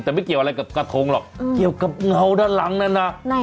แต่ไม่เกี่ยวอะไรกับกระทงหรอกเกี่ยวกับเงาด้านหลังนั้นนะ